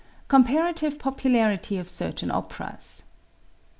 Comparative Popularity of Certain Operas.